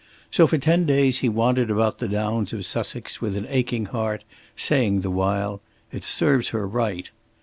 So for ten days he wandered about the Downs of Sussex with an aching heart, saying the while, "It serves her right."